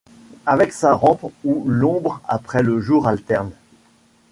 Avec sa rampe où l’ombre après le jour alterne